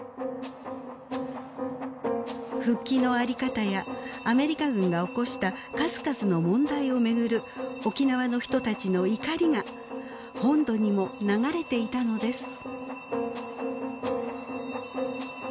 復帰の在り方やアメリカ軍が起こした数々の問題を巡る沖縄の人たちの怒りが本土にも流れていたのです。